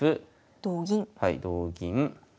同銀。